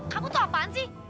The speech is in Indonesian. kamu tuh apaan sih